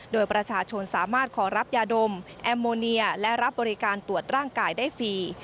โดยประชาชนสามารถขอรับยาดมแอมโมเนียและรับบริการตรวจร่างกายได้ฟรี